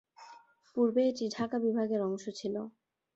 পূর্বে এটি ঢাকা বিভাগের অংশ ছিল।